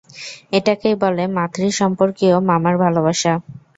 এটাকেই বলে মাতৃ সম্পর্কীয় মামার ভালোবাসা।